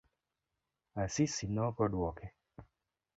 Asisi nokoduoke.